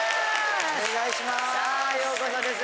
お願いします。